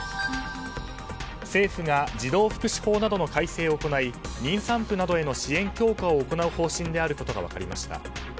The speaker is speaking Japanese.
政府が児童福祉法などの改正を行い妊産婦などへの支援強化を行う方針であることが分かりました。